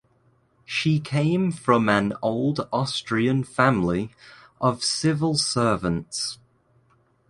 She came from an old Austrian family of civil servants.